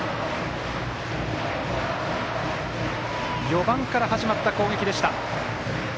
４番から始まった攻撃でした。